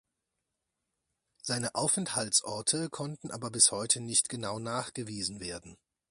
Seine Aufenthaltsorte konnten aber bis heute nicht genau nachgewiesen werden.